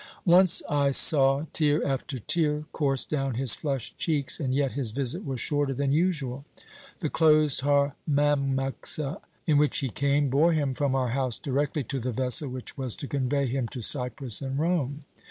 "Once I saw tear after tear course down his flushed cheeks, and yet his visit was shorter than usual. The closed harmamaxa* in which he came bore him from our house directly to the vessel which was to convey him to Cyprus and Rome.